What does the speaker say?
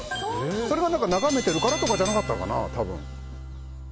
それが眺めているからとかじゃなかったかな。